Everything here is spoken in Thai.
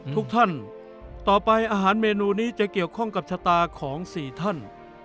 ทุกท่านต่อไปอาหารเมนูนี้จะเกี่ยวข้องกับชะตาของ๔ท่าน